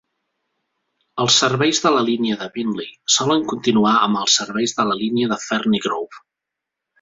Els serveis de la línia de Beenleigh solen continuar amb els serveis de la línia de Ferny Grove.